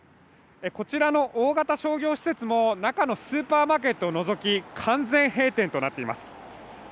こちらの大型商業施設も、中のスーパーマーケットを除き、完全閉店となっています。